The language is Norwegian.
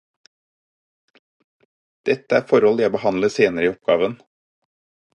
Dette er forhold jeg behandler senere i oppgaven.